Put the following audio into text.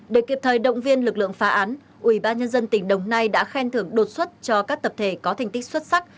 để kịp thời động viên lực lượng phá án ubnd tỉnh đồng nai đã khen thưởng đột xuất cho các tập thể có thành tích xuất sắc